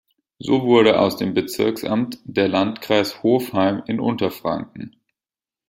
So wurde aus dem Bezirksamt der Landkreis Hofheim in Unterfranken.